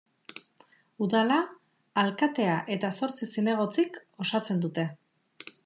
Udala alkatea eta zortzi zinegotzik osatzen dute.